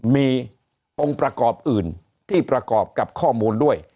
มีองค์ประกอบอื่นที่ประกอบกับข้อมูลด้วย